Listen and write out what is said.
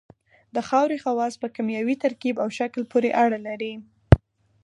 د خاورې خواص په کیمیاوي ترکیب او شکل پورې اړه لري